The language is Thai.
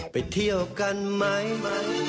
ไปเที่ยวกันไหม